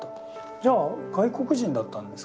じゃあ外国人だったんですか？